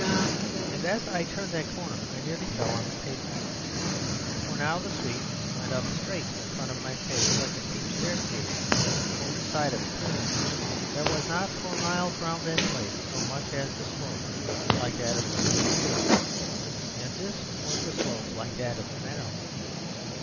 And as I turned that corner I nearly fell on the pavement. For now the street went up straight in front of my face like a steep staircase or the side of a pyramid. There was not for miles round that place so much as a slope like that of Ludgate Hill. And this was a slope like that of the Matterhorn.